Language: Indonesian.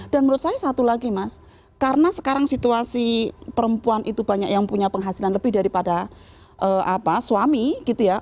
dan menurut saya satu lagi mas karena sekarang situasi perempuan itu banyak yang punya penghasilan lebih daripada suami gitu ya